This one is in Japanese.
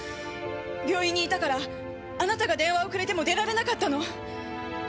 病院にいたからあなたが電話をくれても出られなかったの。